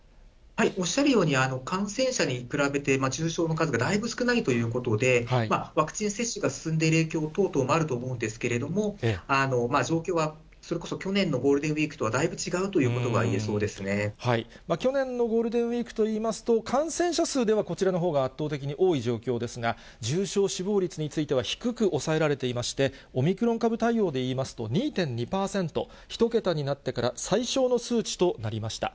おっしゃるように、感染者に比べて、重症の数がだいぶ少ないということで、ワクチン接種が進んでいる影響等々もあると思うんですけども、状況はそれこそ去年のゴールデンウィークとはだいぶ違うというこ去年のゴールデンウィークといいますと、感染者数ではこちらのほうが圧倒的に多い状況ですが、重症、死亡率については低く抑えられていまして、オミクロン株対応でいいますと、２．２％、１桁になってから最小の数値となりました。